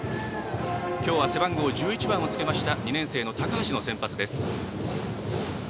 今日は背番号１１番をつけました２年生の高橋が先発です。